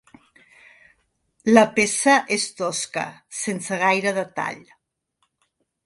La peça és tosca, sense gaire detall.